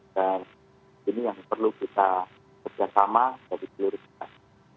dan ini yang perlu kita kerjasama dan dikeluarkan